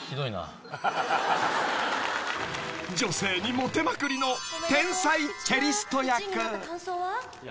［女性にモテまくりの天才チェリスト役］